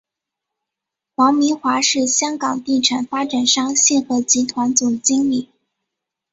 黄敏华是香港地产发展商信和集团总经理。